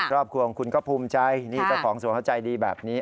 ครอบครัวของคุณก็ภูมิใจนี่เจ้าของสวนเขาใจดีแบบนี้